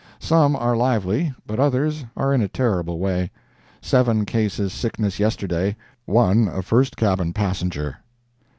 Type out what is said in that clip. Some are lively, but others are in a terrible way. Seven cases sickness yesterday—one a first cabin passenger."